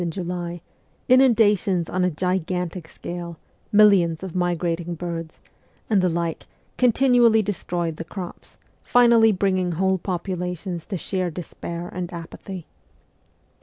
in July, inundations on a gigantic scale, millions of migrating birds, and the like continually destroyed the crops, finally bringing whole populations to sheer despair and apathy.